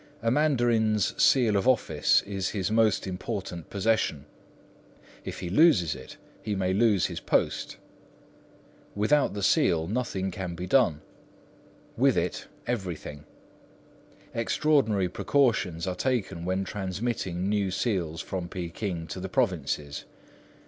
A mandarin's seal of office is his most important possession. If he loses it, he may lose his post. Without the seal, nothing can be done; with it, everything. Extraordinary precautions are taken when transmitting new seals from Peking to the provinces.